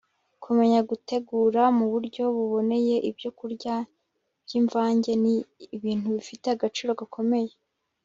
kumenya gutegura mu buryo buboneye ibyokurya by'imvange ni ibintu bifite agaciro gakomeye